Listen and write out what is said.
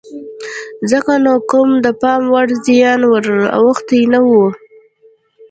ځکه نو کوم د پام وړ زیان ور اوښتی نه و.